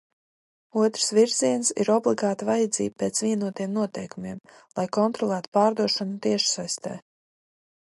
Otrs virziens ir obligāta vajadzība pēc vienotiem noteikumiem, lai kontrolētu pārdošanu tiešsaistē.